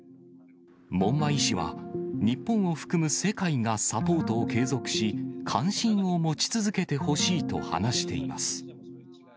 門馬医師は、日本を含む世界がサポートを継続し、関心を持ち続けてほしいと話しています。